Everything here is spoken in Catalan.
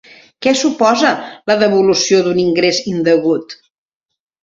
Què suposa la devolució d'un ingrés indegut?